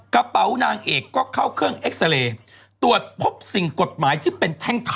กระเป๋านางเอกก็เข้าเครื่องเอ็กซาเรย์ตรวจพบสิ่งกฎหมายที่เป็นแท่งเท้า